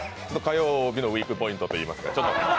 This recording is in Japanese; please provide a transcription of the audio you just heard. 火曜日のウイークポイントといいますか。